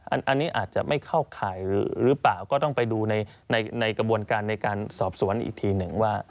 อันนี้อาจจะไม่เข้าข่ายหรือเปล่าก็ต้องไปดูในกระบวนการในการสอบสวนอีกทีหนึ่งว่า